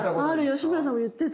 吉村さんも言ってた。